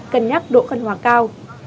cân nhắc độ khăn hóa cao